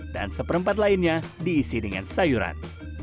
dan seperempat lainnya diisi dengan sayuran